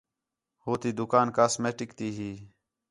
ہو تی دُکان کاسمیٹک تی ہی